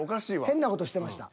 変な事してました。